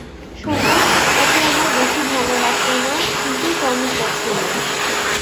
শোন, ওকে আমার বেশী ভালো লাগত না, কিন্তু টনির পছন্দ।